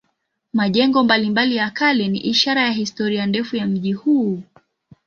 Majengo mbalimbali ya kale ni ishara ya historia ndefu ya mji huu.